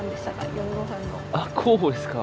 あっ候補ですか？